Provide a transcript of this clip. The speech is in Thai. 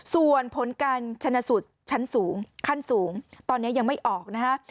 ส่วนผลการชนะสูตรชั้นสูงขั้นสูงตอนนี้ยังไม่ออกนะฮะ